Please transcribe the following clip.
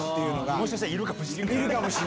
もしかしたらいるかもしんないから。